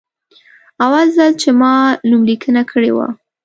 اول ځل چې ما نوملیکنه کړې وه.